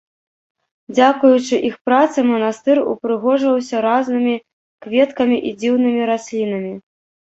Дзякуючы іх працы манастыр упрыгожваўся разнымі кветкамі і дзіўнымі раслінамі.